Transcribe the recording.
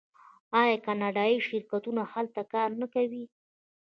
آیا کاناډایی شرکتونه هلته کار نه کوي؟